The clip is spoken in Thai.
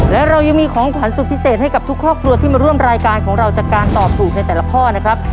และเรายังมีของขวัญสุดพิเศษให้กับทุกครอบครัวที่มาร่วมรายการของเราจากการตอบถูกในแต่ละข้อนะครับ